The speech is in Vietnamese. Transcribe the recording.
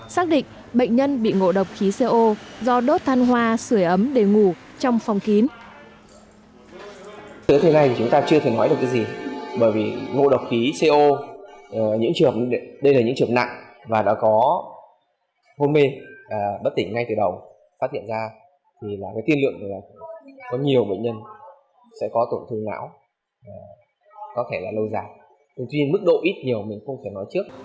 xác định bệnh nhân bị ngộ độc khí co do đốt than hoa sửa ấm để ngủ trong phòng kín